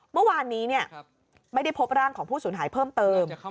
เมื่อวานนี้ไม่ได้พบร่างของผู้สูญหายเพิ่มเติม